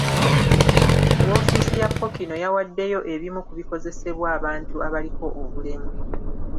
Woofiisi ya Ppookino yawaddeyo ebimu ku bikozesebwa abantu abaliko obulemu.